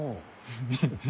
フフフ。